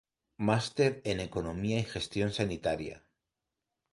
Máster en Economía y Gestión Sanitaria.